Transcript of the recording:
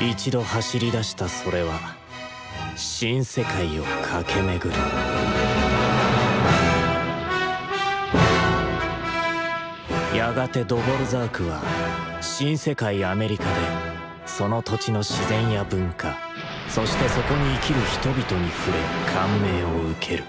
一度走りだしたそれは「新世界」を駆け巡るやがてドヴォルザークは新世界・アメリカでその土地の自然や文化そしてそこに生きる人々に触れ感銘を受ける。